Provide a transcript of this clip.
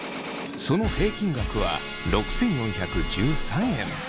その平均額は６，４１３円。